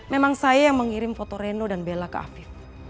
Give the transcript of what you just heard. memang saya yang mengirim foto reno dan bella ke afif